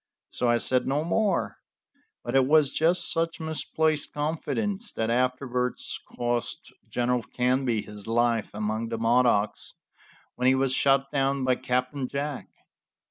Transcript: So I said no more, but it was just such misplaced confidence that afterwards cost General Canby his life among the Modocs, when he was shot down by Captain Jack.